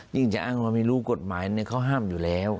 ยิ่งจะอ้างว่ามีรู้กฎหมายเนี่ยเขาห้ามอยู่แล้ว